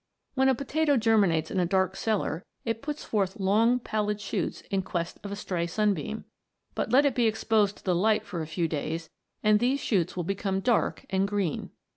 When a potato germinates in a dark cellar it puts forth long pallid shoots in quest of a stray sunbeam ; but let it be exposed to the light for a few days, and these shoots will become dark and green.